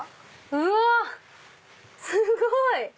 うわっすごい！